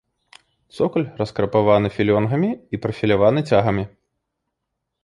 Цокаль раскрапаваны філёнгамі і прафіляваны цягамі.